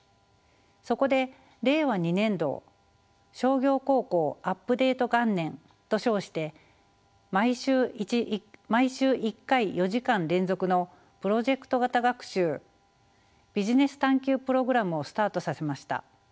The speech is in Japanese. そこで令和２年度を商業高校アップデート元年と称して毎週１回４時間連続のプロジェクト型学習ビジネス探究プログラムをスタートさせました。